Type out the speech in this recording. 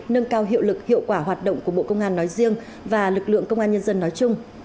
nâng cao hiệu lực hiệu quả hoạt động của bộ công an nói riêng và lực lượng công an nhân dân nói chung